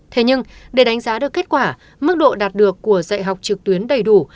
thế nhưng để đánh giá được kết quả mức độ đạt được của dạy học trực tuyến đầy đủ